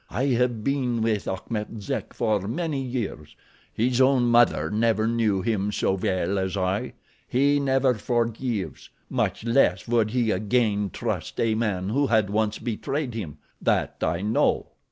I have been with Achmet Zek for many years—his own mother never knew him so well as I. He never forgives—much less would he again trust a man who had once betrayed him; that I know.